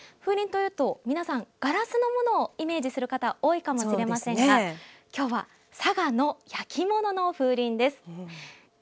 風鈴というと皆さんからガラスのものをイメージする方多いかもしれませんがきょうは佐賀の焼き物の風鈴です。